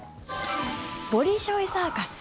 ボリショイサーカス。